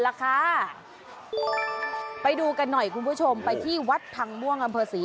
ล่ะค่ะไปดูกันหน่อยคุณผู้ชมไปที่วัดพังม่วงอำเภอศรี